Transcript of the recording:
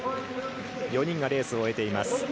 ４人がレースを終えています。